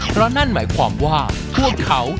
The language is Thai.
เพราะนั่นหมายความว่าพวกเขา